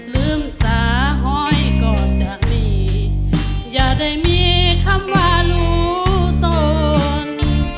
ลืมสาหอยก่อนจากนี้อย่าได้มีคำว่ารู้ตน